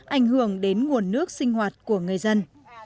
ảnh hưởng đến nguồn nước sinh hoạt của người dân